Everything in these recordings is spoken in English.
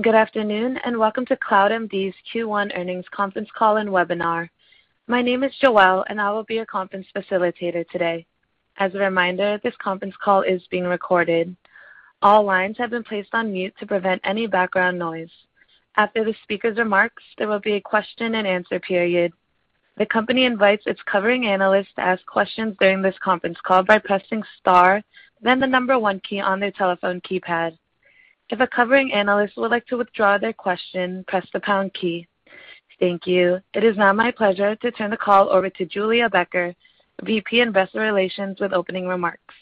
Good afternoon, and welcome to CloudMD's Q1 earnings conference call and webinar. My name is Joelle, and I will be your conference facilitator today. As a reminder, this conference call is being recorded. All lines have been placed on mute to prevent any background noise. After the speaker's remarks, there will be a question and answer period. The company invites its covering analysts to ask questions during this conference call by pressing star, then the number one key on their telephone keypad. If a covering analyst would like to withdraw their question, press the pound key. Thank you. It is now my pleasure to turn the call over to Julia Becker, the VP of Investor Relations, with opening remarks.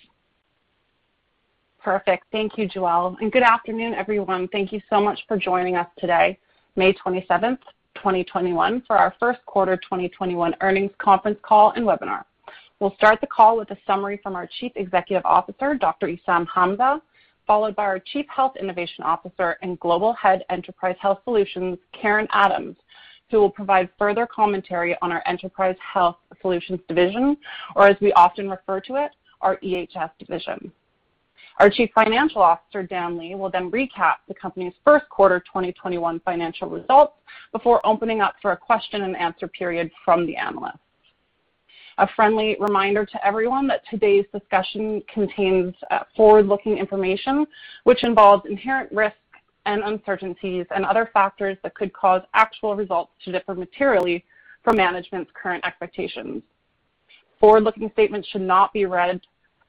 Perfect. Thank you, Joelle. Good afternoon, everyone. Thank you so much for joining us today, May 27th, 2021, for our first quarter 2021 earnings conference call and webinar. We'll start the call with a summary from our Chief Executive Officer, Dr. Essam Hamza, followed by our Chief Health Innovation Officer and Global Head Enterprise Health Solutions, Karen Adams, who will provide further commentary on our Enterprise Health Solutions division, or as we often refer to it, our EHS division. Our Chief Financial Officer, Dan Lee, will recap the company's first quarter 2021 financial results before opening up for a question and answer period from the analysts. A friendly reminder to everyone that today's discussion contains forward-looking information, which involves inherent risks and uncertainties and other factors that could cause actual results to differ materially from management's current expectations. Forward-looking statements should not be read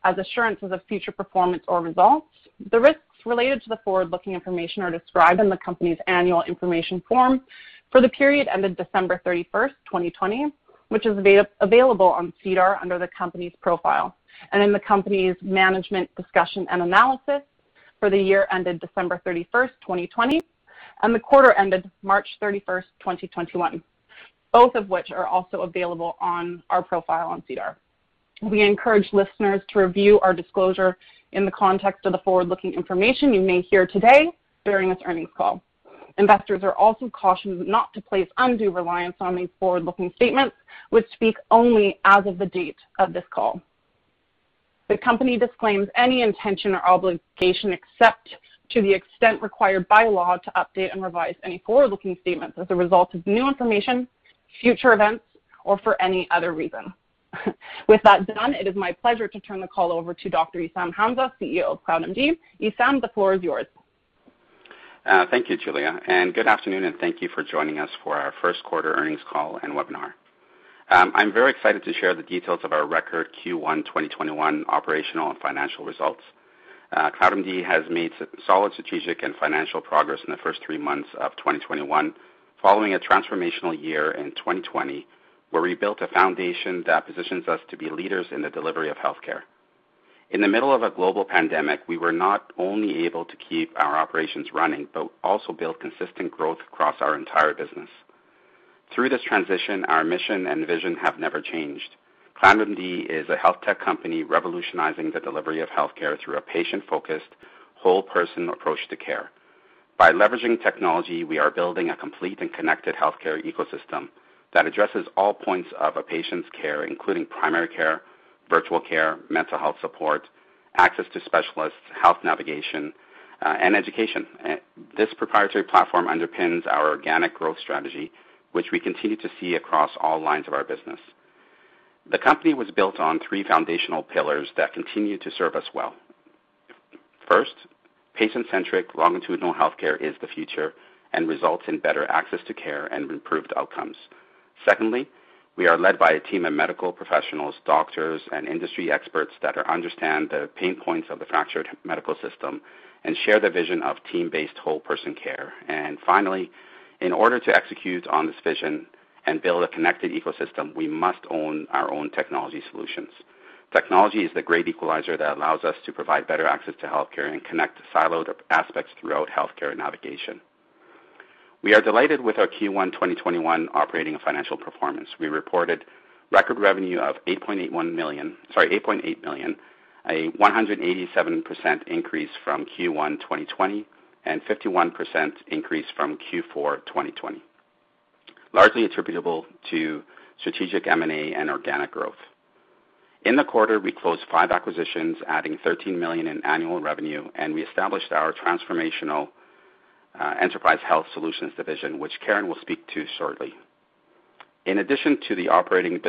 as assurance of future performance or results. The risks related to the forward-looking information are described in the company's annual information form for the period ended December 31st, 2020, which is available on SEDAR under the company's profile, and in the company's management discussion and analysis for the year ended December 31st, 2020, and the quarter ended March 31st, 2021, both of which are also available on our profile on SEDAR. We encourage listeners to review our disclosure in the context of the forward-looking information you may hear today during this earnings call. Investors are also cautioned not to place undue reliance on any forward-looking statements, which speak only as of the date of this call. The company disclaims any intention or obligation, except to the extent required by law, to update and revise any forward-looking statements as a result of new information, future events, or for any other reason. With that done, it is my pleasure to turn the call over to Dr. Essam Hamza, CEO of CloudMD. Essam, the floor is yours. Thank you, Julia, and good afternoon, and thank you for joining us for our first quarter earnings call and webinar. I'm very excited to share the details of our record Q1 2021 operational and financial results. CloudMD has made solid strategic and financial progress in the first three months of 2021 following a transformational year in 2020, where we built a foundation that positions us to be leaders in the delivery of healthcare. In the middle of a global pandemic, we were not only able to keep our operations running, but also build consistent growth across our entire business. Through this transition, our mission and vision have never changed. CloudMD is a health tech company revolutionizing the delivery of healthcare through a patient-focused, whole-person approach to care. By leveraging technology, we are building a complete and connected healthcare ecosystem that addresses all points of a patient's care, including primary care, virtual care, mental health support, access to specialists, health navigation, and education. This proprietary platform underpins our organic growth strategy, which we continue to see across all lines of our business. The company was built on three foundational pillars that continue to serve us well. First, patient-centric, longitudinal healthcare is the future and results in better access to care and improved outcomes. Secondly, we are led by a team of medical professionals, doctors, and industry experts that understand the pain points of the fractured medical system and share the vision of team-based whole-person care. Finally, in order to execute on this vision and build a connected ecosystem, we must own our own technology solutions. Technology is the great equalizer that allows us to provide better access to healthcare and connect the siloed aspects throughout healthcare navigation. We are delighted with our Q1 2021 operating and financial performance. We reported record revenue of 8.8 million, a 187% increase from Q1 2020 and 51% increase from Q4 2020, largely attributable to strategic M&A and organic growth. In the quarter, we closed five acquisitions, adding 13 million in annual revenue, and we established our transformational Enterprise Health Solutions division, which Karen will speak to shortly. In addition, the operating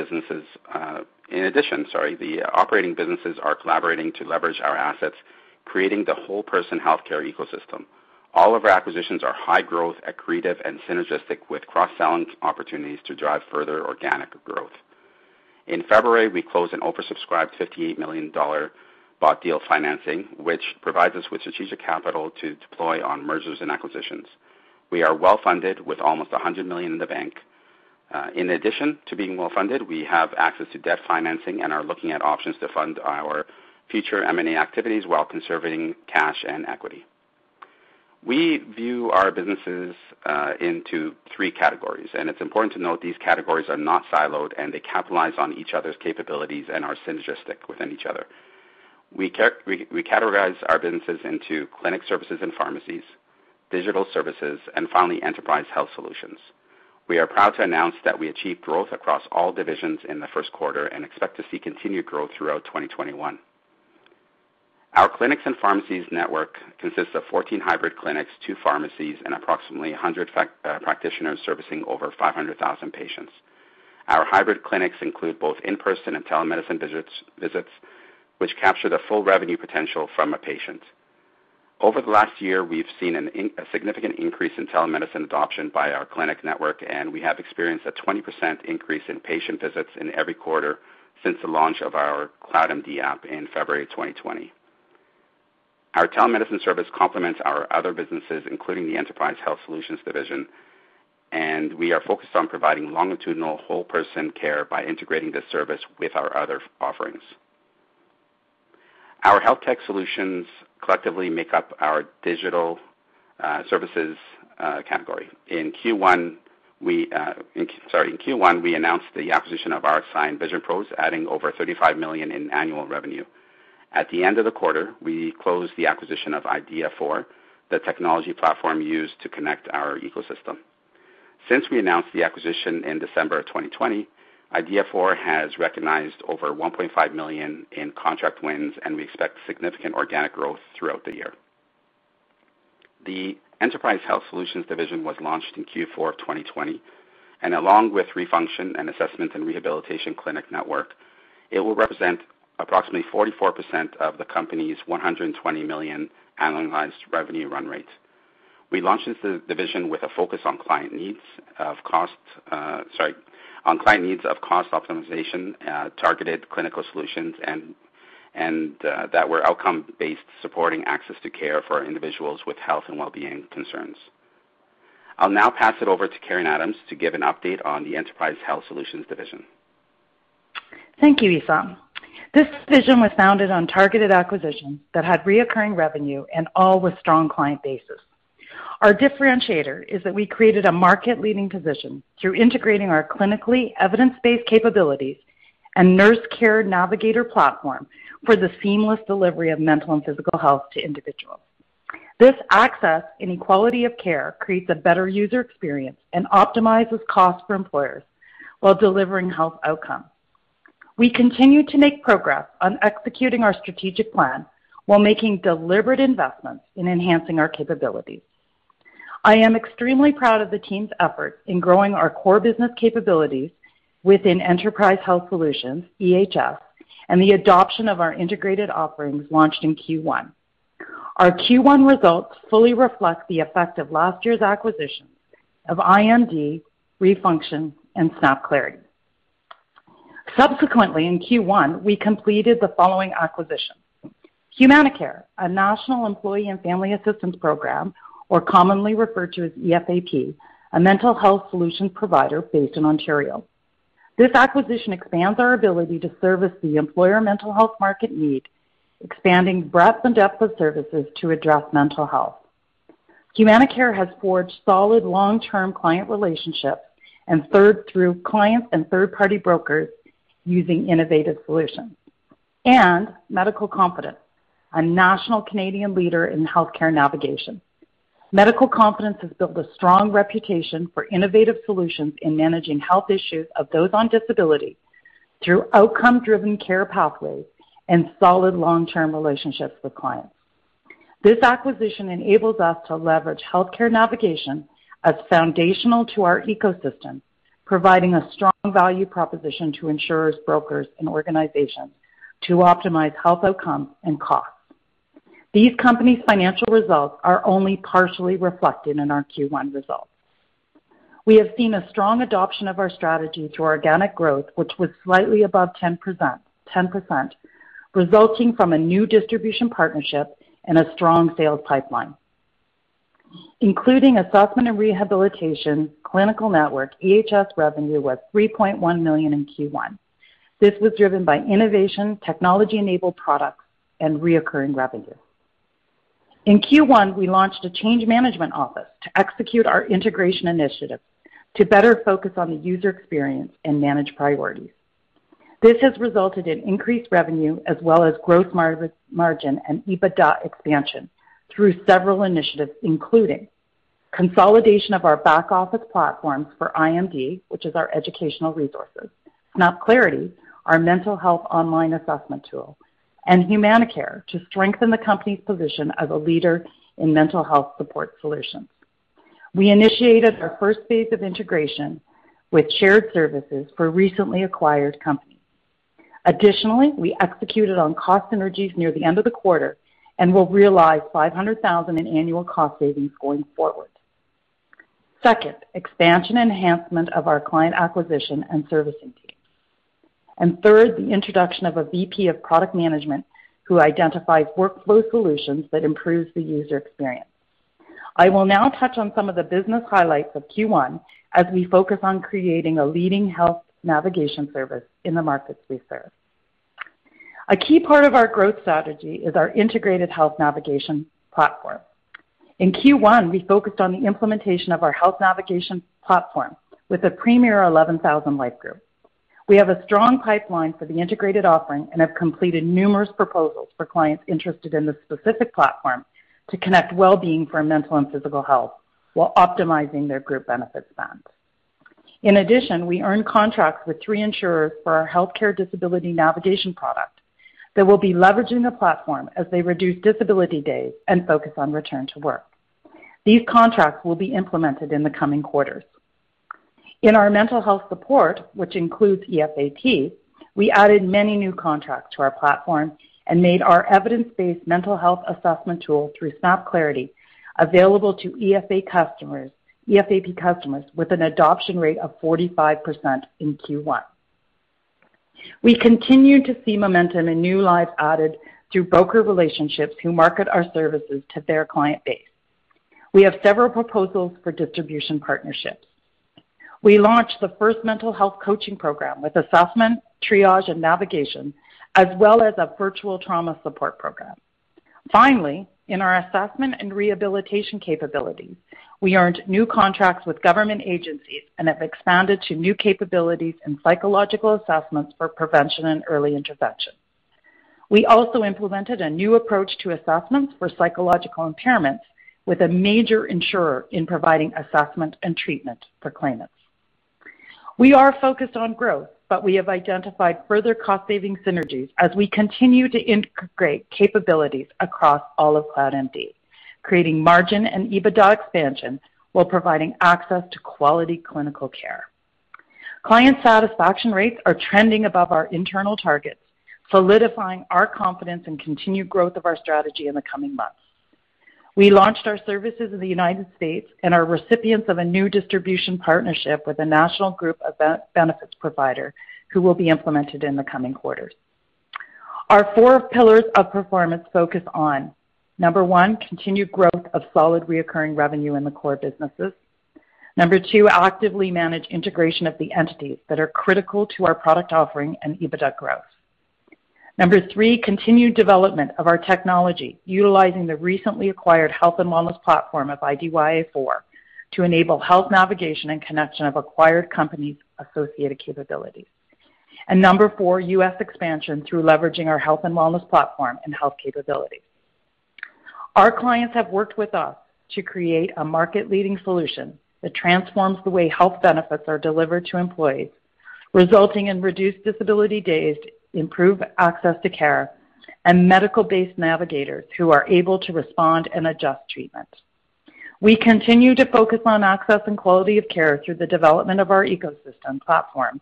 businesses are collaborating to leverage our assets, creating the whole-person healthcare ecosystem. All of our acquisitions are high-growth, accretive, and synergistic with cross-selling opportunities to drive further organic growth. In February, we closed an oversubscribed 58 million dollar bought deal financing, which provides us with strategic capital to deploy on mergers and acquisitions. We are well-funded with almost 100 million in the bank. In addition to being well-funded, we have access to debt financing and are looking at options to fund our future M&A activities while conserving cash and equity. We view our businesses into three categories. It's important to note these categories are not siloed, and they capitalize on each other's capabilities and are synergistic with each other. We categorize our businesses into clinic services and pharmacies, digital services, and finally, Enterprise Health Solutions. We are proud to announce that we achieved growth across all divisions in the first quarter and expect to see continued growth throughout 2021. Our clinics and pharmacies network consists of 14 hybrid clinics, two pharmacies, and approximately 100 practitioners servicing over 500,000 patients. Our hybrid clinics include both in-person and telemedicine visits, which capture the full revenue potential from a patient. Over the last year, we've seen a significant increase in telemedicine adoption by our clinic network, and we have experienced a 20% increase in patient visits in every quarter since the launch of our CloudMD app in February 2020. Our telemedicine service complements our other businesses, including the Enterprise Health Solutions division, and we are focused on providing longitudinal whole-person care by integrating this service with our other offerings. Our health tech solutions collectively make up our digital services category. In Q1, we announced the acquisition of VisionPros, adding over 35 million in annual revenue. At the end of the quarter, we closed the acquisition of IDYA4, the technology platform used to connect our ecosystem. Since we announced the acquisition in December 2020, IDYA4 has recognized over 1.5 million in contract wins. We expect significant organic growth throughout the year. The Enterprise Health Solutions was launched in Q4 2020. Along with Re:Function and Assessment and Rehabilitation Clinic Network, it will represent approximately 44% of the company's 120 million annualized revenue run rate. We launched this division with a focus on client needs of cost optimization, targeted clinical solutions, and that were outcome-based, supporting access to care for individuals with health and wellbeing concerns. I'll now pass it over to Karen Adams to give an update on the Enterprise Health Solutions division. Thank you, Essam. This division was founded on targeted acquisitions that had reoccurring revenue and all with strong client bases. Our differentiator is that we created a market-leading position through integrating our clinically evidence-based capabilities and nurse care navigator platform for the seamless delivery of mental and physical health to individuals. This access and quality of care creates a better user experience and optimizes costs for employers while delivering health outcomes. We continue to make progress on executing our strategic plan while making deliberate investments in enhancing our capabilities. I am extremely proud of the team's effort in growing our core business capabilities within Enterprise Health Solutions, EHS, and the adoption of our integrated offerings launched in Q1. Our Q1 results fully reflect the effect of last year's acquisitions of iMD, Re:Function, and Snapclarity. Subsequently, in Q1, we completed the following acquisitions. HumanaCare, a national employee and family assistance program, or commonly referred to as EFAP, a mental health solutions provider based in Ontario. This acquisition expands our ability to service the employer mental health market need, expanding breadth and depth of services to address mental health. HumanaCare has forged solid long-term client relationships through clients and third-party brokers using innovative solutions. Medical Confidence, a national Canadian leader in healthcare navigation. Medical Confidence has built a strong reputation for innovative solutions in managing health issues of those on disability through outcome-driven care pathways and solid long-term relationships with clients. This acquisition enables us to leverage healthcare navigation as foundational to our ecosystem, providing a strong value proposition to insurers, brokers, and organizations to optimize health outcomes and costs. These companies' financial results are only partially reflected in our Q1 results. We have seen a strong adoption of our strategy through organic growth, which was slightly above 10%, resulting from a new distribution partnership and a strong sales pipeline. Including Assessment and Rehabilitation Clinical Network, EHS revenue was 3.1 million in Q1. This was driven by innovation, technology-enabled products, and reoccurring revenue. In Q1, we launched a change management office to execute our integration initiatives to better focus on the user experience and manage priorities. This has resulted in increased revenue as well as gross margin and EBITDA expansion through several initiatives, including consolidation of our back office platforms for iMD, which is our educational resources. Snapclarity, our mental health online assessment tool, and HumanaCare to strengthen the company's position as a leader in mental health support solutions. We initiated the first phase of integration with shared services for recently acquired companies. Additionally, we executed on cost synergies near the end of the quarter and will realize 500,000 in annual cost savings going forward. Second, expansion enhancement of our client acquisition and servicing team. Third, the introduction of a VP of Product Management who identified workflow solutions that improves the user experience. I will now touch on some of the business highlights of Q1 as we focus on creating a leading health navigation service in the market space. A key part of our growth strategy is our integrated health navigation platform. In Q1, we focused on the implementation of our health navigation platform with a premier 11,000 life group. We have a strong pipeline for the integrated offering and have completed numerous proposals for clients interested in this specific platform to connect wellbeing for mental and physical health while optimizing their group benefits plans. In addition, we earned contracts with three insurers for our healthcare disability navigation product that will be leveraging the platform as they reduce disability days and focus on return to work. These contracts will be implemented in the coming quarters. In our mental health support, which includes EFAP, we added many new contracts to our platform and made our evidence-based mental health assessment tool through Snapclarity available to EFAP customers with an adoption rate of 45% in Q1. We continue to see momentum and new lives added through broker relationships who market our services to their client base. We have several proposals for distribution partnerships. We launched the first mental health coaching program with assessment, triage, and navigation, as well as a virtual trauma support program. Finally, in our assessment and rehabilitation capabilities, we earned new contracts with government agencies and have expanded to new capabilities in psychological assessments for prevention and early intervention. We also implemented a new approach to assessments for psychological impairments with a major insurer in providing assessment and treatment for claimants. We are focused on growth, but we have identified further cost-saving synergies as we continue to integrate capabilities across all of CloudMD, creating margin and EBITDA expansion while providing access to quality clinical care. Client satisfaction rates are trending above our internal targets, solidifying our confidence and continued growth of our strategy in the coming months. We launched our services in the United States and are recipients of a new distribution partnership with a national group benefits provider who will be implemented in the coming quarters. Our four pillars of performance focus on, number one, continued growth of solid recurring revenue in the core businesses. Number two, actively manage integration of the entities that are critical to our product offering and EBITDA growth. Number three, continued development of our technology utilizing the recently acquired health and wellness platform of IDYA4 to enable health navigation and connection of acquired companies' associated capabilities. Number four, U.S. expansion through leveraging our health and wellness platform and health capabilities. Our clients have worked with us to create a market-leading solution that transforms the way health benefits are delivered to employees, resulting in reduced disability days, improved access to care, and medical-based navigators who are able to respond and adjust treatment. We continue to focus on access and quality of care through the development of our ecosystem platform,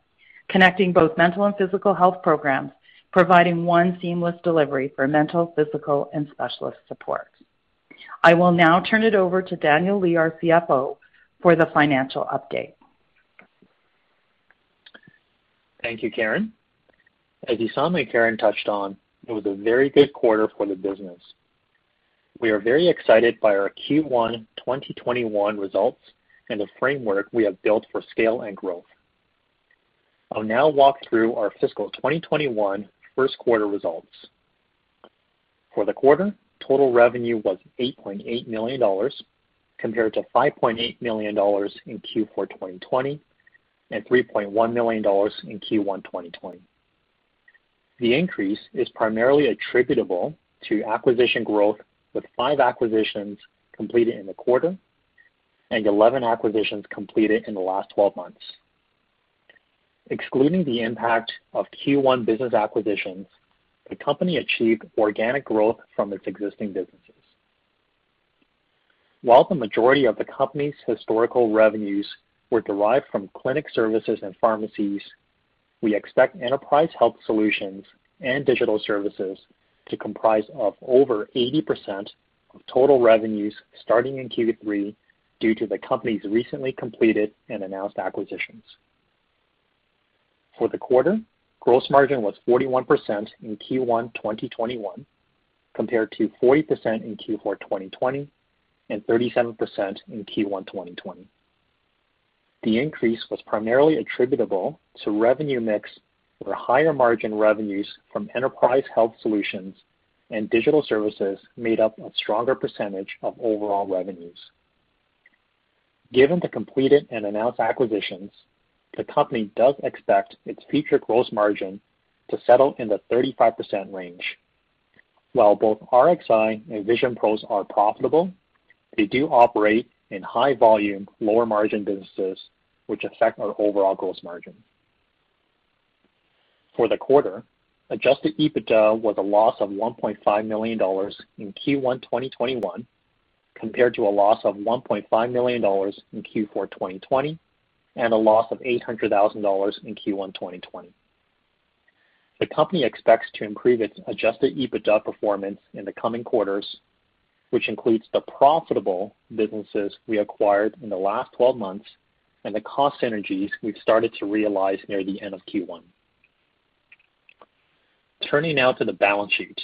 connecting both mental and physical health programs, providing one seamless delivery for mental, physical, and specialist support. I will now turn it over to Daniel Lee, our CFO, for the financial update. Thank you, Karen. As you saw that Karen touched on, it was a very good quarter for the business. We are very excited by our Q1 2021 results and the framework we have built for scale and growth. I will now walk through our fiscal 2021 first quarter results. For the quarter, total revenue was 8.8 million dollars, compared to 5.8 million dollars in Q4 2020 and 3.1 million dollars in Q1 2020. The increase is primarily attributable to acquisition growth with five acquisitions completed in the quarter and 11 acquisitions completed in the last 12 months. Excluding the impact of Q1 business acquisitions, the company achieved organic growth from its existing businesses. While the majority of the company's historical revenues were derived from clinic services and pharmacies, we expect Enterprise Health Solutions and digital services to comprise of over 80% of total revenues starting in Q3 due to the company's recently completed and announced acquisitions. For the quarter, gross margin was 41% in Q1 2021 compared to 40% in Q4 2020 and 37% in Q1 2020. The increase was primarily attributable to revenue mix, where higher-margin revenues from Enterprise Health Solutions and digital services made up a stronger percentage of overall revenues. Given the completed and announced acquisitions, the company does expect its future gross margin to settle in the 35% range. While both Rxi and VisionPros are profitable, they do operate in high volume, lower margin businesses, which affect our overall gross margin. For the quarter, adjusted EBITDA was a loss of 1.5 million dollars in Q1 2021 compared to a loss of 1.5 million dollars in Q4 2020 and a loss of 800,000 dollars in Q1 2020. The company expects to improve its adjusted EBITDA performance in the coming quarters, which includes the profitable businesses we acquired in the last 12 months and the cost synergies we've started to realize near the end of Q1. Turning now to the balance sheet.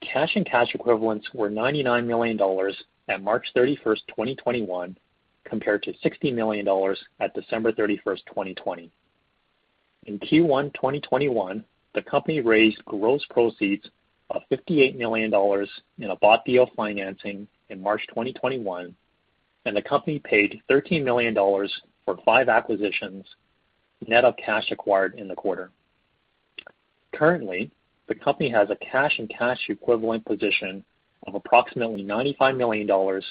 Cash and cash equivalents were 99 million dollars at March 31st, 2021, compared to 60 million dollars at December 31st, 2020. In Q1 2021, the company raised gross proceeds of 58 million dollars in a bought deal financing in March 2021. The company paid 13 million dollars for five acquisitions, net of cash acquired in the quarter. Currently, the company has a cash and cash equivalent position of approximately 95 million dollars,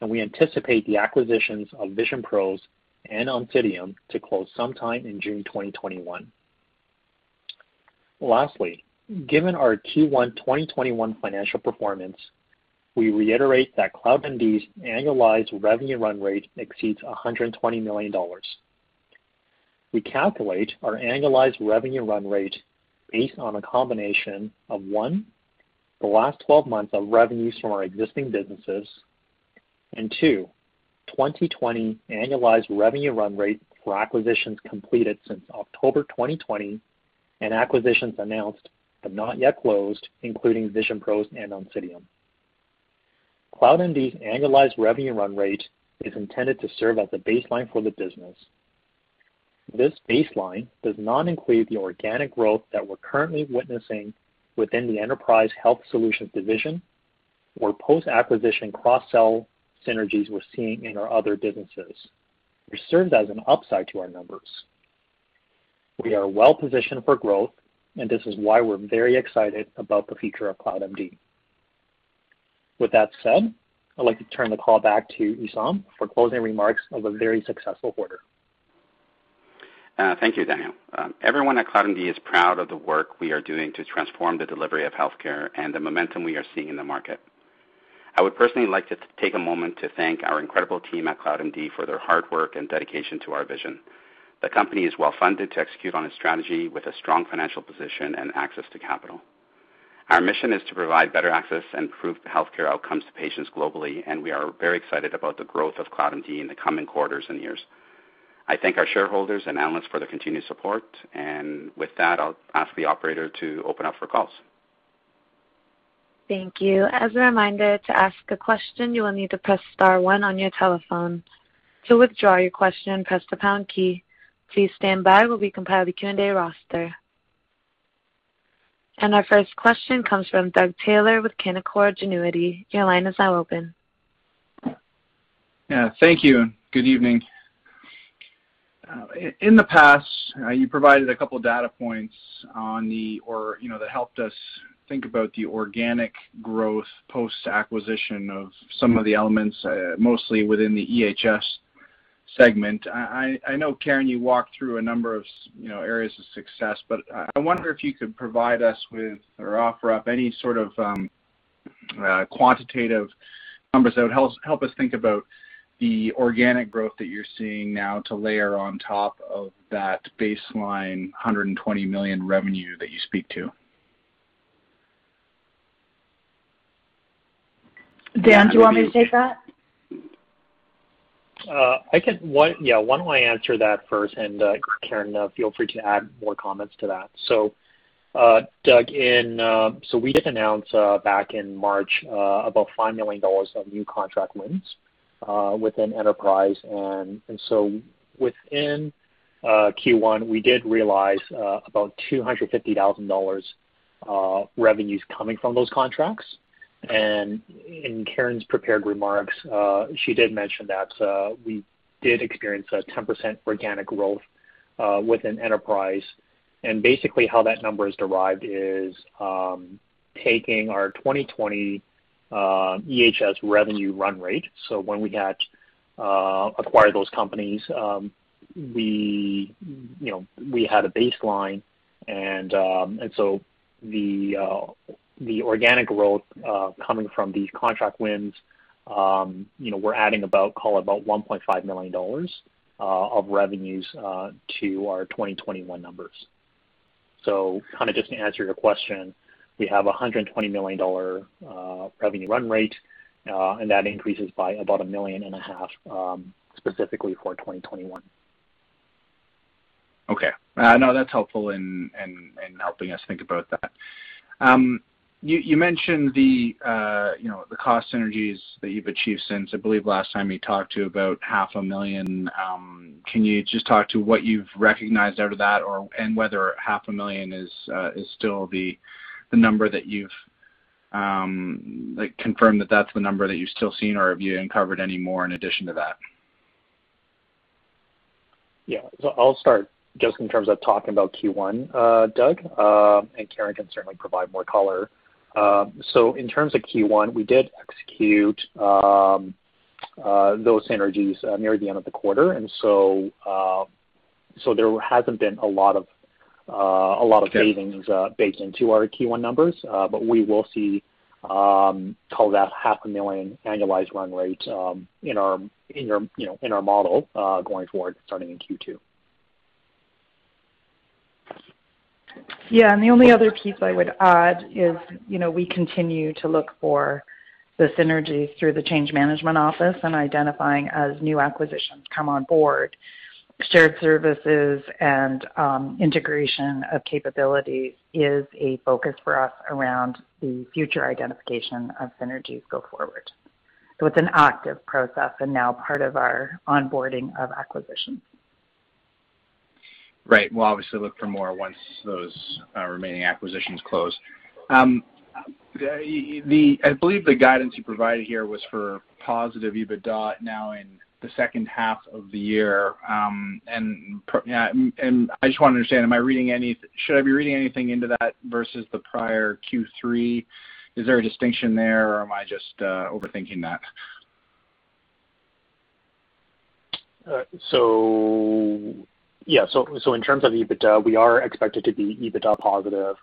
and we anticipate the acquisitions of VisionPros and Oncidium to close sometime in June 2021. Lastly, given our Q1 2021 financial performance, we reiterate that CloudMD's annualized revenue run rate exceeds 120 million dollars. We calculate our annualized revenue run rate based on a combination of, one, the last 12 months of revenues from our existing businesses, and two, 2020 annualized revenue run rate for acquisitions completed since October 2020 and acquisitions announced but not yet closed, including VisionPros and Oncidium. CloudMD's annualized revenue run rate is intended to serve as the baseline for the business. This baseline does not include the organic growth that we're currently witnessing within the Enterprise Health Solutions division or post-acquisition cross-sell synergies we're seeing in our other businesses, which serves as an upside to our numbers. We are well-positioned for growth, and this is why we're very excited about the future of CloudMD. With that said, I'd like to turn the call back to Essam for closing remarks of a very successful quarter. Thank you, Daniel. Everyone at CloudMD is proud of the work we are doing to transform the delivery of healthcare and the momentum we are seeing in the market. I would personally like to take a moment to thank our incredible team at CloudMD for their hard work and dedication to our vision. The company is well-funded to execute on its strategy with a strong financial position and access to capital. Our mission is to provide better access and improve healthcare outcomes to patients globally, and we are very excited about the growth of CloudMD in the coming quarters and years. I thank our shareholders and analysts for their continued support. With that, I'll ask the operator to open up for calls. Thank you. As a reminder, to ask a question you will need to press star one on your telephone. To withdraw your question press the pound key. Please standby while we compile the Q&A roster. Our first question comes from Doug Taylor with Canaccord Genuity. Yeah. Thank you, and good evening. In the past, you provided a couple data points that helped us think about the organic growth post-acquisition of some of the elements, mostly within the EHS segment. I know, Karen, you walked through a number of areas of success, but I wonder if you could provide us with or offer up any sort of quantitative numbers that help us think about the organic growth that you are seeing now to layer on top of that baseline 120 million revenue that you speak to. Dan, do you want me to take that? I guess, why don't I answer that first, and Karen, feel free to add more comments to that. Doug, we did announce back in March about 5 million dollars of new contract wins within Enterprise. Within Q1, we did realize about 250,000 dollars revenues coming from those contracts. In Karen's prepared remarks, she did mention that we did experience a 10% organic growth within Enterprise. Basically how that number is derived is taking our 2020 EHS revenue run rate. When we had acquired those companies, we had a baseline, and so the organic growth coming from these contract wins, we're adding about, call it about 1.5 million dollars of revenues to our 2021 numbers. Just to answer your question, we have 120 million dollar revenue run rate, and that increases by about 1.5 million specifically for 2021. Okay. No, that's helpful in helping us think about that. You mentioned the cost synergies that you've achieved since. I believe last time you talked to about 500,000. Can you just talk to what you've recognized out of that and whether 500,000 is still the number that you've confirmed that that's the number that you've still seen or have you uncovered any more in addition to that? Yeah. I'll start just in terms of talking about Q1, Doug, and Karen can certainly provide more color. In terms of Q1, we did execute those synergies near the end of the quarter, and so there hasn't been a lot of- Okay. Savings baked into our Q1 numbers. We will see call it 500,000 annualized run rate in our model going forward starting in Q2. Yeah. The only other piece I would add is we continue to look for the synergies through the change management office and identifying as new acquisitions come on board. Shared services and integration of capabilities is a focus for us around the future identification of synergies go forward. It's an active process and now part of our onboarding of acquisitions. Right. We'll obviously look for more once those remaining acquisitions close. I believe the guidance you provided here was for positive EBITDA now in the second half of the year. I just want to understand, should I be reading anything into that versus the prior Q3? Is there a distinction there or am I just overthinking that? Yeah. In terms of EBITDA, we are expected to be EBITDA positive.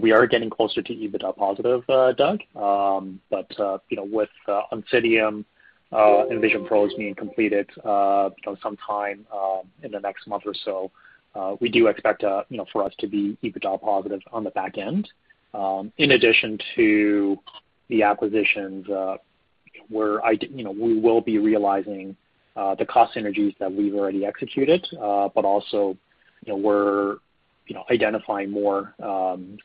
We are getting closer to EBITDA positive, Doug. With Oncidium and VisionPros being completed sometime in the next month or so, we do expect for us to be EBITDA positive on the back end. In addition to the acquisitions where we will be realizing the cost synergies that we've already executed. Also, we're identifying more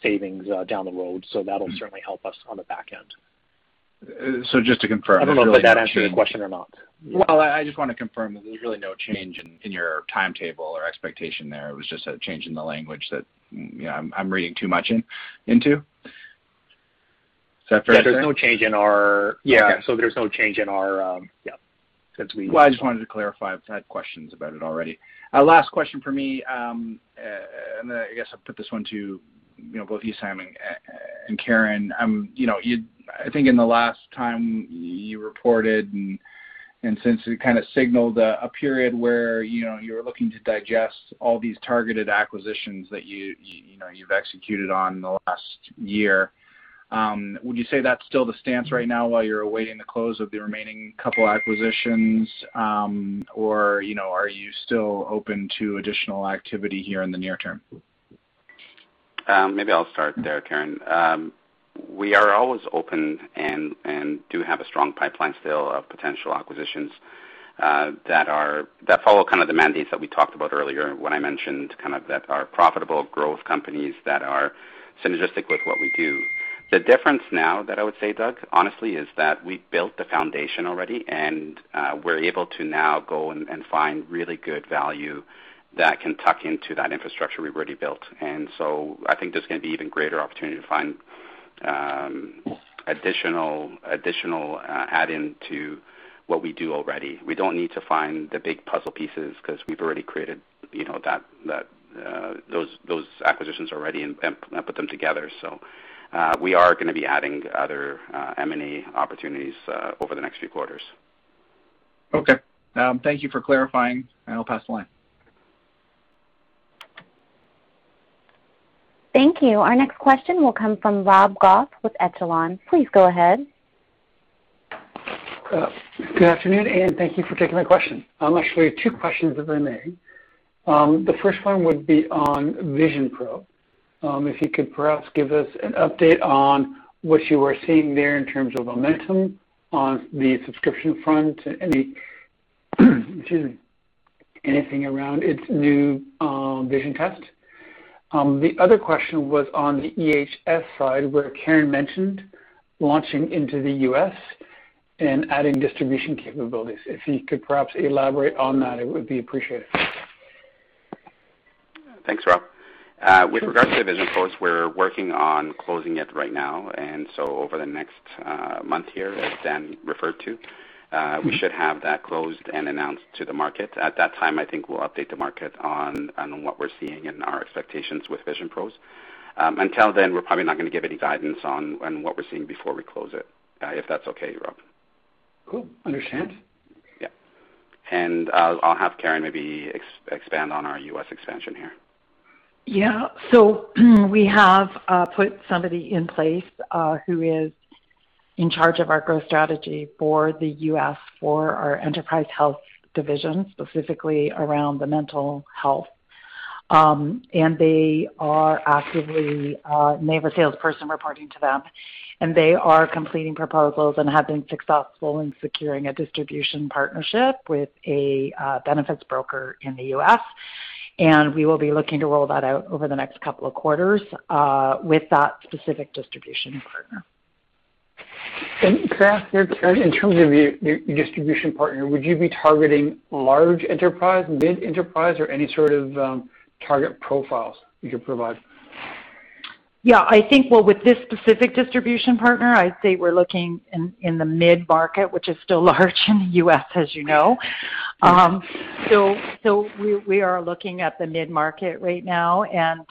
savings down the road, so that'll certainly help us on the back end. So just to confirm- I don't know if that answered your question or not. Well, I just want to confirm there's really no change in your timetable or expectation there. It was just a change in the language that I'm reading too much into. Is that fair to say? Yeah, there's no change in our- Yeah. There's no change in our yeah. Well, I just wanted to clarify. I've had questions about it already. Last question from me, and I guess I'll put this one to both you, Essam and Karen. I think in the last time you reported, and since we kind of signaled a period where you're looking to digest all these targeted acquisitions that you've executed on in the last year, would you say that's still the stance right now while you're awaiting the close of the remaining couple acquisitions, or are you still open to additional activity here in the near term? Maybe I'll start there, Karen. We are always open and do have a strong pipeline still of potential acquisitions that follow the mandates that we talked about earlier when I mentioned that are profitable growth companies that are synergistic with what we do. The difference now that I would say, Doug, honestly, is that we've built the foundation already, and we're able to now go and find really good value that can tuck into that infrastructure we've already built. I think there's going to be even greater opportunity to find additional add-in to what we do already. We don't need to find the big puzzle pieces because we've already created those acquisitions already and put them together. We are going to be adding other M&A opportunities over the next few quarters. Okay. Thank you for clarifying, and I'll pass the line. Thank you. Our next question will come from Rob Goff with Echelon. Please go ahead. Good afternoon, and thank you for taking my question. I'll actually have two questions, if I may. The first one would be on VisionPros. If you could perhaps give us an update on what you are seeing there in terms of momentum on the subscription front and excuse me, anything around its new vision test. The other question was on the EHS side, where Karen mentioned launching into the U.S. and adding distribution capabilities. If you could perhaps elaborate on that, it would be appreciated. Thanks, Rob. With regard to VisionPros, we're working on closing it right now. Over the next month here, as Dan referred to, we should have that closed and announced to the market. At that time, I think we'll update the market on what we're seeing and our expectations with VisionPros. Until then, we're probably not going to give any guidance on what we're seeing before we close it. If that's okay, Rob. Cool. Understand. Yeah. I'll have Karen maybe expand on our U.S. expansion here. Yeah. We have put somebody in place who is in charge of our growth strategy for the U.S. for our Enterprise Health Solutions, specifically around the mental health. They have a salesperson reporting to them, and they are completing proposals and have been successful in securing a distribution partnership with a benefits broker in the U.S. We will be looking to roll that out over the next couple of quarters with that specific distribution partner. Perhaps in terms of your distribution partner, would you be targeting large enterprise, mid-enterprise, or any sort of target profiles you could provide? Yeah, I think with this specific distribution partner, I'd say we're looking in the mid-market, which is still large in the U.S., as you know. We are looking at the mid-market right now, and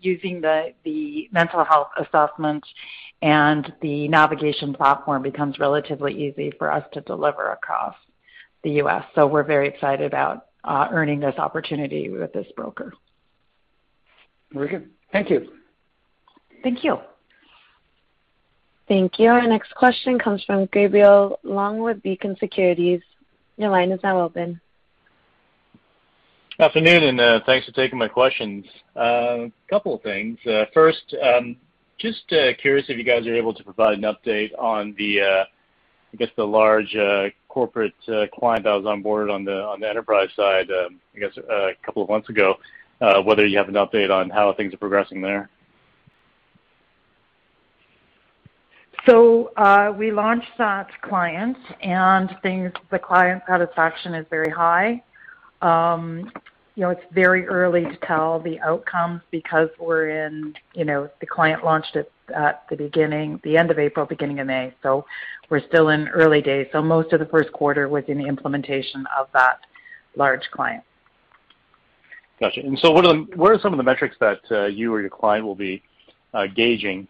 using the mental health assessment and the navigation platform becomes relatively easy for us to deliver across the U.S. We're very excited about earning this opportunity with this broker. Very good. Thank you. Thank you. Thank you. Our next question comes from Gabriel Leung with Beacon Securities. Your line is now open. Afternoon, thanks for taking my questions. A couple of things. First, just curious if you guys are able to provide an update on the, I guess, the large corporate client that was onboarded on the Enterprise side, I guess, a couple of months ago, whether you have an update on how things are progressing there? We launched that client, and the client satisfaction is very high. It's very early to tell the outcomes because the client launched it at the end of April, beginning of May. We're still in early days. Most of the first quarter was in the implementation of that large client. Got you. What are some of the metrics that you or your client will be reviewing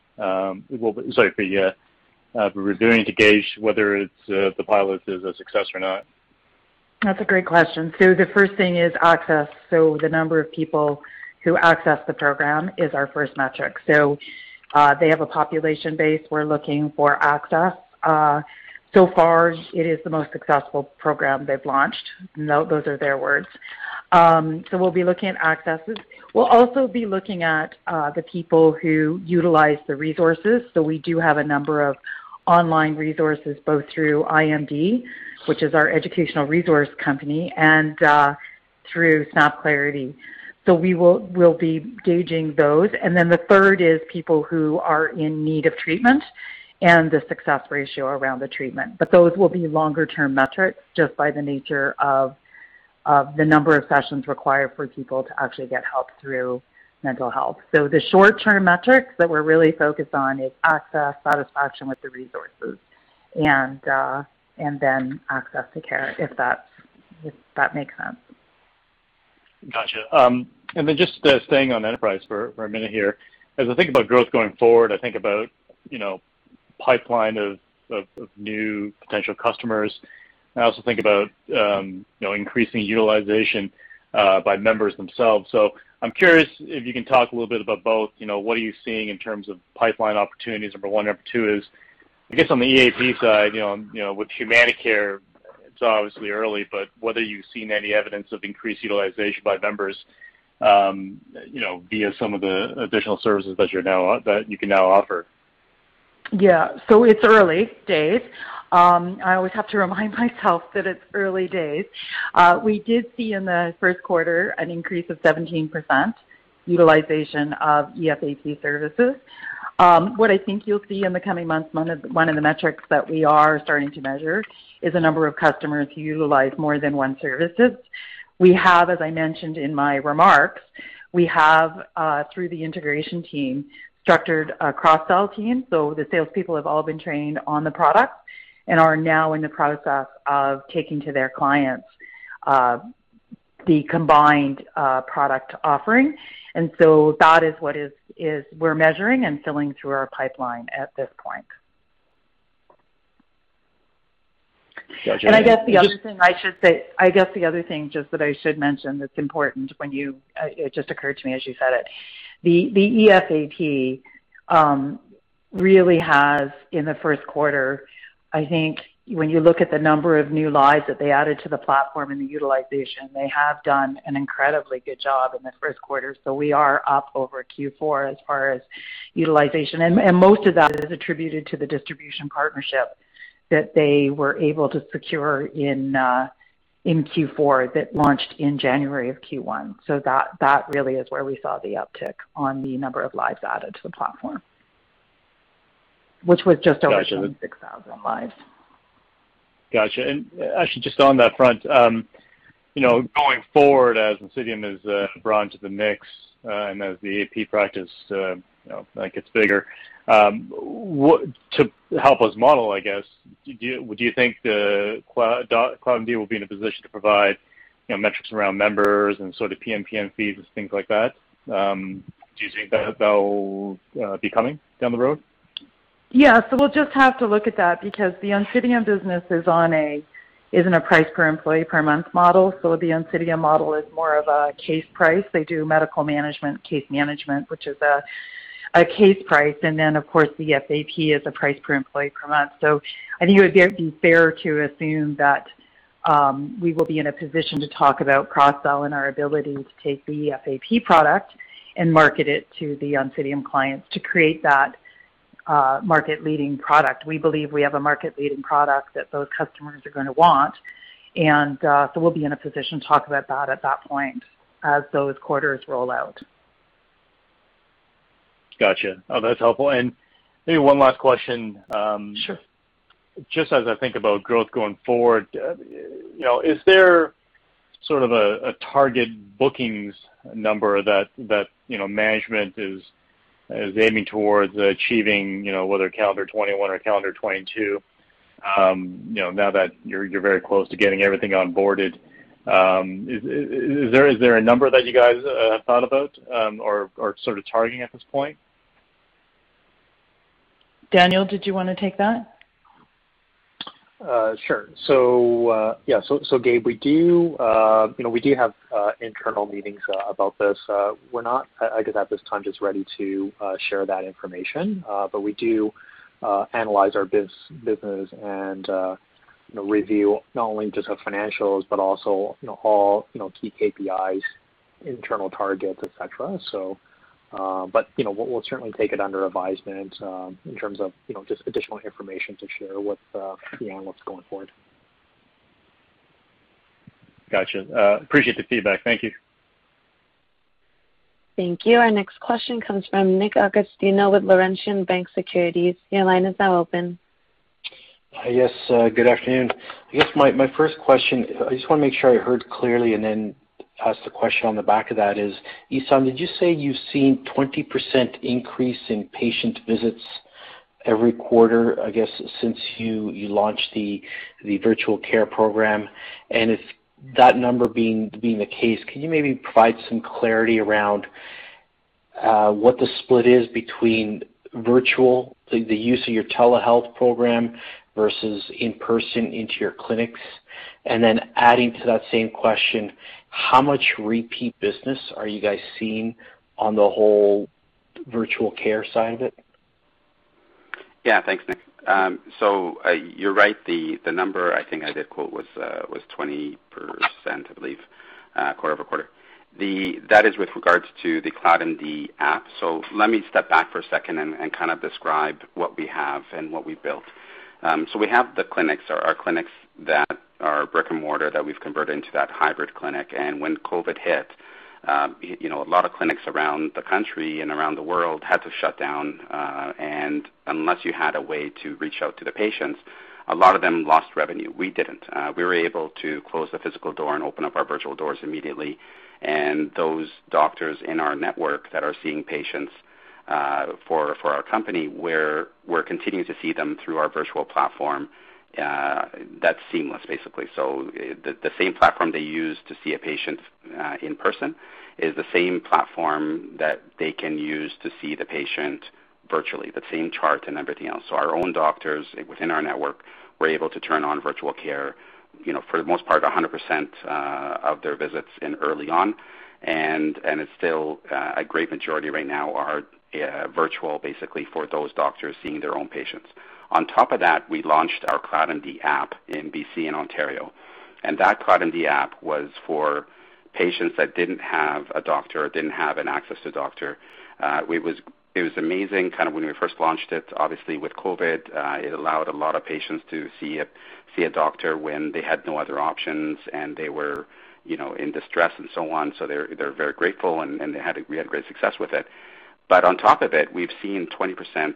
to gauge whether the pilot is a success or not? That's a great question. The first thing is access. The number of people who access the program is our first metric. They have a population base. We're looking for access. So far, it is the most successful program they've launched. Those are their words. We'll be looking at accesses. We'll also be looking at the people who utilize the resources. We do have a number of online resources, both through iMD, which is our educational resource company, and through Snapclarity. We'll be gauging those. The third is people who are in need of treatment and the success ratio around the treatment. Those will be longer-term metrics just by the nature of the number of sessions required for people to actually get help through mental health. The short-term metrics that we're really focused on is access, satisfaction with the resources, and then access to care if that makes sense. Got you. Then just staying on Enterprise for a minute here. As I think about growth going forward, I think about pipeline of new potential customers. I also think about increasing utilization by members themselves. I'm curious if you can talk a little bit about both. What are you seeing in terms of pipeline opportunities, number one? Number two is, I guess, on the EAP side, with HumanaCare, it's obviously early, but whether you've seen any evidence of increased utilization by members via some of the additional services that you can now offer. It's early days. I always have to remind myself that it's early days. We did see in the first quarter an increase of 17% utilization of EFAP services. What I think you'll see in the coming months, one of the metrics that we are starting to measure is the number of customers who utilize more than one services. As I mentioned in my remarks, we have through the integration team structured a cross-sell team. The salespeople have all been trained on the product and are now in the process of taking to their clients the combined product offering. That is what we're measuring and filling through our pipeline at this point. Got you. I guess the other thing just that I should mention that's important, it just occurred to me as you said it. The EFAP really has in the first quarter, I think when you look at the number of new lives that they added to the platform and the utilization, they have done an incredibly good job in the first quarter. We are up over Q4 as far as utilization, and most of that is attributed to the distribution partnership that they were able to secure in Q4 that launched in January of Q1. That really is where we saw the uptick on the number of lives added to the platform, which was just over 6,000 lives. Got you. Actually just on that front, going forward as Oncidium is brought into the mix, and as the EAP practice gets bigger, to help us model, I guess, do you think CloudMD will be in a position to provide metrics around members and sort of PMPM and fees and things like that? Do you think that'll be coming down the road? Yeah. We'll just have to look at that because the Oncidium business is in a price per employee per month model. The Oncidium model is more of a case price. They do medical management, case management, which is a case price, and then, of course, the EFAP is a price per employee per month. I think it would be fair to assume that we will be in a position to talk about cross-sell and our ability to take the EFAP product and market it to the Oncidium clients to create that market-leading product. We believe we have a market-leading product that those customers are going to want. We'll be in a position to talk about that at that point as those quarters roll out. Got you. No, that's helpful. Maybe one last question. Sure. Just as I think about growth going forward, is there sort of a target bookings number that management is aiming towards achieving, whether calendar 2021 or calendar 2022? Now that you're very close to getting everything onboarded, is there a number that you guys thought about or are sort of targeting at this point? Daniel, did you want to take that? Sure. Gabe, we do have internal meetings about this. We're not, I guess, at this time, just ready to share that information. We do analyze our business and review not only just the financials, but also all key KPIs, internal targets, et cetera. We'll certainly take it under advisement in terms of just additional information to share with the analysts going forward. Got you. Appreciate the feedback. Thank you. Thank you. Our next question comes from Nick Agostino with Laurentian Bank Securities. Your line is now open. Yes. Good afternoon. I guess my first question, I just want to make sure I heard clearly and then ask the question on the back of that is, Essam, did you say you've seen 20% increase in patient visits every quarter, I guess, since you launched the virtual care program? If that number being the case, can you maybe provide some clarity around what the split is between virtual, the use of your telehealth program, versus in-person into your clinics? Then adding to that same question, how much repeat business are you guys seeing on the whole virtual care side of it? Thanks, Nick. You're right. The number I think I did quote was 20%, I believe, quarter-over-quarter. That is with regards to the CloudMD app. Let me step back for a second and describe what we have and what we built. We have the clinics, our clinics that are brick and mortar that we've converted into that hybrid clinic. When COVID hit, a lot of clinics around the country and around the world had to shut down, and unless you had a way to reach out to the patients, a lot of them lost revenue. We didn't. We were able to close the physical door and open up our virtual doors immediately, and those doctors in our network that are seeing patients for our company, we're continuing to see them through our virtual platform. That's seamless, basically. The same platform they use to see a patient in person is the same platform that they can use to see the patient virtually, the same chart and everything else. Our own doctors within our network were able to turn on virtual care, for the most part, 100% of their visits early on, and it's still a great majority right now are virtual, basically for those doctors seeing their own patients. On top of that, we launched our CloudMD app in B.C. and Ontario, and that CloudMD app was for patients that didn't have a doctor or didn't have an access to doctor. It was amazing when we first launched it. Obviously, with COVID, it allowed a lot of patients to see a doctor when they had no other options and they were in distress and so on. They're very grateful, and we had great success with it. On top of it, we've seen 20%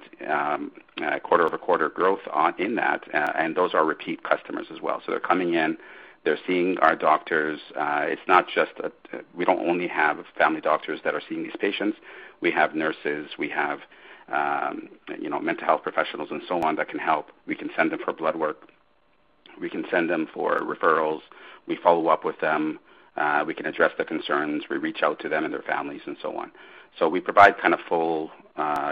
quarter-over-quarter growth in that, and those are repeat customers as well. They're coming in, they're seeing our doctors. We don't only have family doctors that are seeing these patients. We have nurses, we have mental health professionals and so on that can help. We can send them for blood work. We can send them for referrals. We follow up with them. We can address their concerns. We reach out to them and their families and so on. We provide full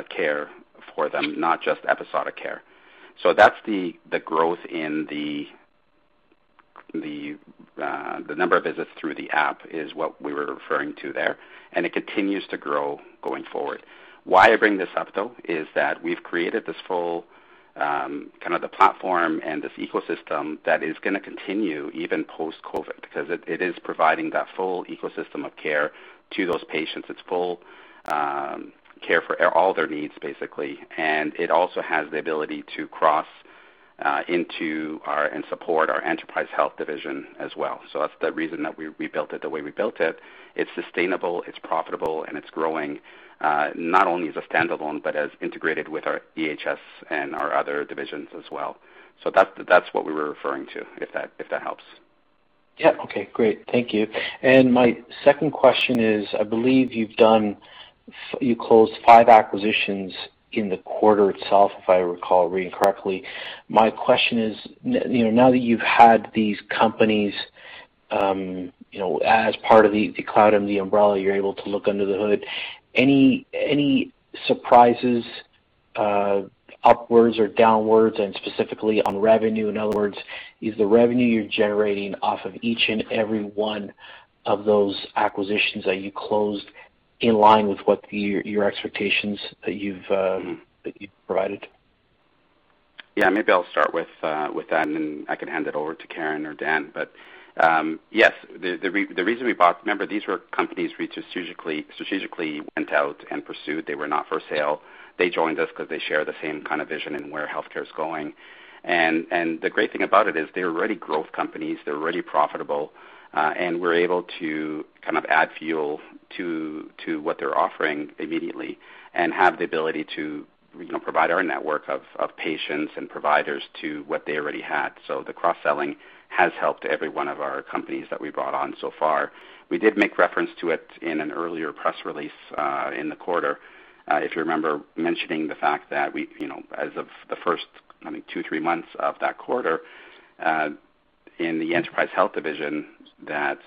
care for them, not just episodic care. That's the growth in the number of visits through the app is what we were referring to there, and it continues to grow going forward. Why I bring this up, though, is that we've created this full platform and this ecosystem that is going to continue even post-COVID, because it is providing that full ecosystem of care to those patients. It's full care for all their needs, basically, and it also has the ability to cross into and support our Enterprise Health Solutions as well. That's the reason that we built it the way we built it. It's sustainable, it's profitable, and it's growing, not only as a standalone, but as integrated with our EHS and our other divisions as well. That's what we were referring to, if that helps. Yeah. Okay, great. Thank you. My second question is, I believe you closed five acquisitions in the quarter itself, if I recall reading correctly. My question is, now that you've had these companies as part of the CloudMD umbrella, you're able to look under the hood, any surprises upwards or downwards and specifically on revenue? In other words, is the revenue you're generating off of each and every one of those acquisitions that you closed in line with what your expectations that you've provided? Maybe I'll start with that, and then I can hand it over to Karen or Dan. Yes, the reason we bought, remember, these were companies we strategically went out and pursued. They were not for sale. They joined us because they share the same kind of vision in where healthcare is going. The great thing about it is they're already growth companies, they're already profitable, and we're able to add fuel to what they're offering immediately and have the ability to provide our network of patients and providers to what they already had. The cross-selling has helped every one of our companies that we brought on so far. We did make reference to it in an earlier press release in the quarter, if you remember mentioning the fact that as of the first two, three months of that quarter in the Enterprise Health Solutions, that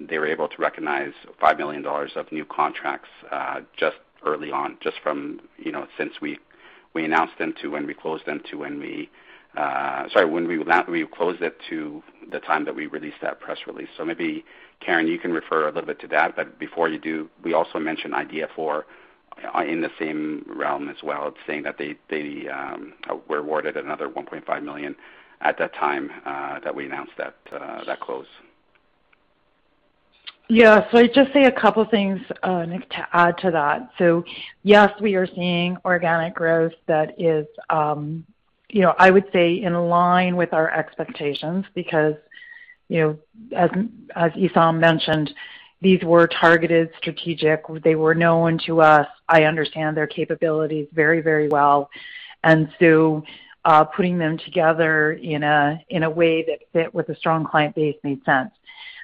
they were able to recognize 5 million dollars of new contracts just early on, just from since we announced them to when we closed it to the time that we released that press release. Maybe, Karen, you can refer a little bit to that. Before you do, we also mentioned IDYA4 in the same realm as well, saying that they were awarded another 1.5 million at that time that we announced that close. Yeah. I'd just say a couple things, Nick, to add to that. Yes, we are seeing organic growth that is, I would say, in line with our expectations because, as Essam mentioned, these were targeted strategic. They were known to us. I understand their capabilities very well. Putting them together in a way that fit with a strong client base made sense.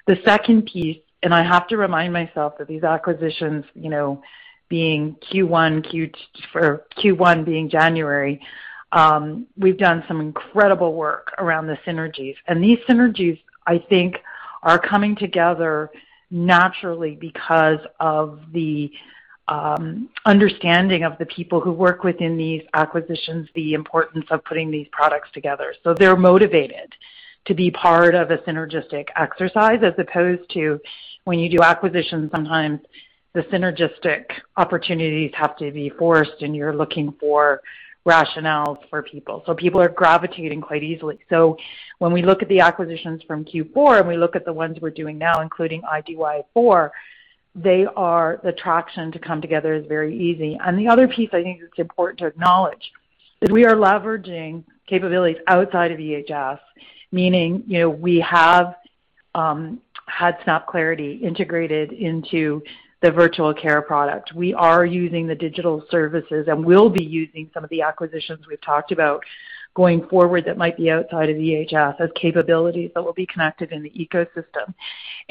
The second piece, and I have to remind myself that these acquisitions, being Q1, Q2, or Q1 being January, we've done some incredible work around the synergies. These synergies, I think, are coming together naturally because of the understanding of the people who work within these acquisitions, the importance of putting these products together. They're motivated to be part of a synergistic exercise, as opposed to when you do acquisitions, sometimes the synergistic opportunities have to be forced, and you're looking for rationales for people. People are gravitating quite easily. When we look at the acquisitions from Q4, and we look at the ones we're doing now, including IDYA4, the traction to come together is very easy. The other piece I think is important to acknowledge is we are leveraging capabilities outside of EHS, meaning, we have had Snapclarity integrated into the virtual care product. We are using the digital services and will be using some of the acquisitions we've talked about going forward that might be outside of EHS as capabilities that will be connected in the ecosystem.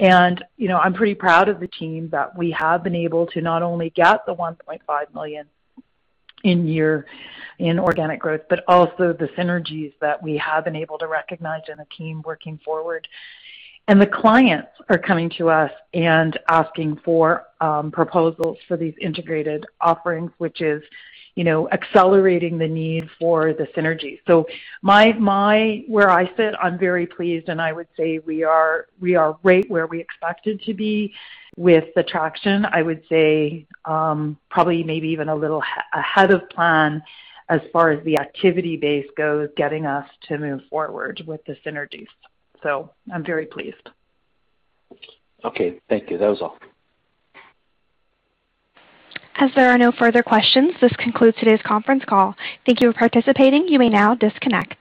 I'm pretty proud of the team that we have been able to not only get the 1.5 million in organic growth, but also the synergies that we have been able to recognize in the team working forward. The clients are coming to us and asking for proposals for these integrated offerings, which is accelerating the need for the synergy. Where I sit, I'm very pleased, and I would say we are right where we expected to be with the traction. I would say probably maybe even a little ahead of plan as far as the activity base goes, getting us to move forward with the synergies. I'm very pleased. Okay. Thank you. That was all. As there are no further questions, this concludes today's conference call. Thank you for participating. You may now disconnect.